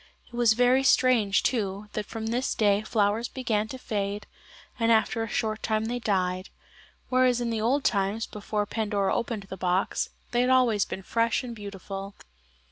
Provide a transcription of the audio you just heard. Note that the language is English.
It was very strange, too, that from this day flowers began to fade, and after a short time they died, whereas in the old times, before Pandora opened the box, they had been always fresh and beautiful.